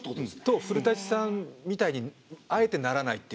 と古さんみたいにあえてならないっていう。